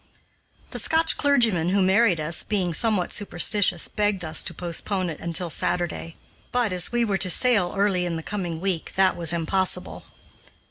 The Scotch clergyman who married us, being somewhat superstitious, begged us to postpone it until Saturday; but, as we were to sail early in the coming week, that was impossible.